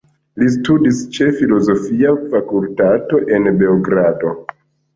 Li studadis ĉe filozofia fakultato en Beogrado.